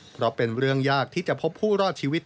เพราะเป็นเรื่องยากที่จะพบผู้รอดชีวิต